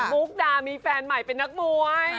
มุกดามีแฟนใหม่เป็นนักมวย